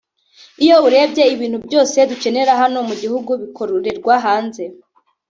Iyo urebye ibintu byose dukenera hano mu gihugu bikorerwa hanze